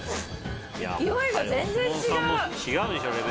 勢いが全然違う。